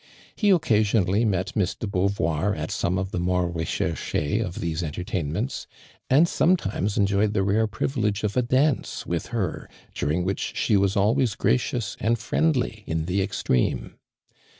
Ho occasionally met Miss de Beauvoir at some of the more richercM of these entertainments, and sometimes eryoyed the i aro privilege of a dance vrith her, during which sne was always gracious and friendly in the extreme.